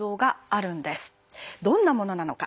どんなものなのか。